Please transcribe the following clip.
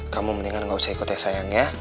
kamu mendingan gak usah ikut ya sayangnya